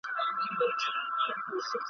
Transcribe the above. د دې غم لړلي صحنې ننداره کوله ,